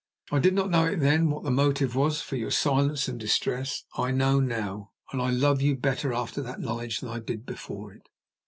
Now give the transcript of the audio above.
I did not know then what the motive was for your silence and distress. I know now, and I love you better after that knowledge than I did before it."